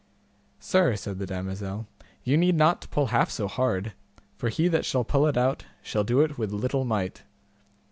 Sir, said the damosel, you need not to pull half so hard, for he that shall pull it out shall do it with little might.